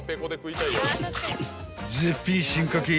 ［絶品進化系